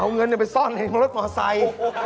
เอาเงินไปซ่อนเล็งรถมอไซค์